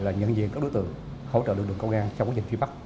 là nhận diện các đối tượng hỗ trợ lực lượng công an trong quá trình phía bắc